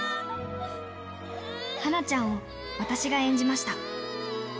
はなちゃんを私が演じました。